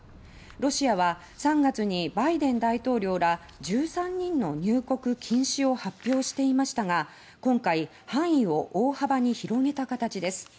ロシアは３月にバイデン大統領ら１３人の入国禁止を発表していましたが今回範囲を大幅に広げた形です。